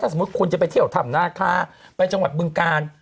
สมมุติคุณจะไปเที่ยวถ้ำนาคาไปจังหวัดบึงกาล